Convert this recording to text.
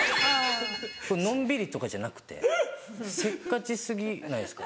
のんびりとかじゃなくてせっかち過ぎないですか？